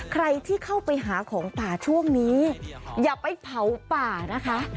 ใครที่เข้าไปหาของป่าช่วงนี้อย่าไปเผาป่านะคะ